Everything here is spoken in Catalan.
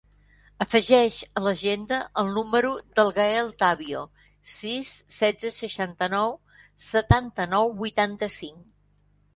Afegeix a l'agenda el número del Gael Tavio: sis, setze, seixanta-nou, setanta-nou, vuitanta-cinc.